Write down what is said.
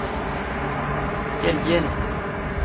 Qu'elles viennent !